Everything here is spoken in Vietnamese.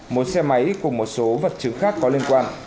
một xe máy cùng một số vật chứng khác có liên quan